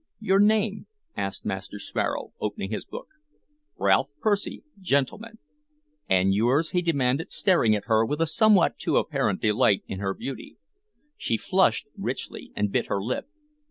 "Your name?" asked Master Sparrow, opening his book. "Ralph Percy, Gentleman." "And yours?" he demanded, staring at her with a somewhat too apparent delight in her beauty. She flushed richly and bit her lip.